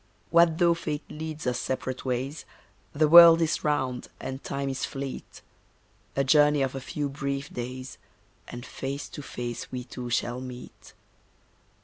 What though fate leads us separate ways, The world is round, and time is fleet. A journey of a few brief days, And face to face we two shall meet.